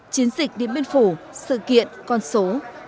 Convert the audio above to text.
chiến dịch địa biên phủ sự kiện con số